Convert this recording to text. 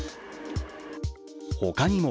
他にも